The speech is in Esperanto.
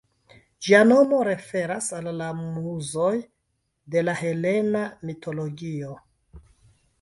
Ĝia nomo referas al la Muzoj de la helena mitologio.